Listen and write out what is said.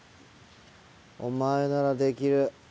お前ならできる。